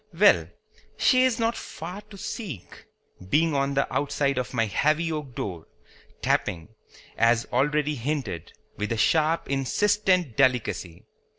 Well, she is not far to seek, being on the outside of my heavy oak door, tapping, as already hinted, with a sharp insistent delicacy.